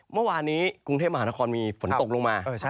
เมื่อวานนี้กรุงเทพมหานครมีฝนตกลงมา